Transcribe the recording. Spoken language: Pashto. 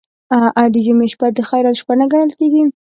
آیا د جمعې شپه د خیرات شپه نه ګڼل کیږي؟